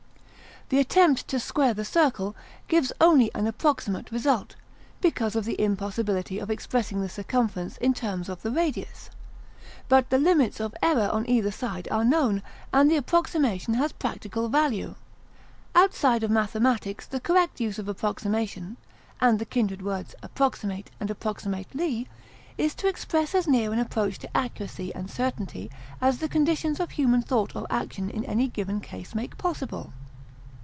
The attempt to "square the circle" gives only an approximate result, because of the impossibility of expressing the circumference in terms of the radius. But the limits of error on either side are known, and the approximation has practical value. Outside of mathematics, the correct use of approximation (and the kindred words approximate and approximately) is to express as near an approach to accuracy and certainty as the conditions of human thought or action in any given case make possible.